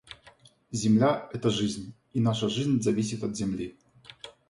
Земля — это жизнь, и наша жизнь зависит от земли.